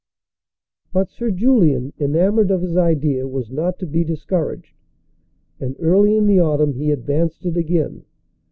But Sir Julian, enamored of his idea, was not to be discour aged, and early in the autumn he advanced it again.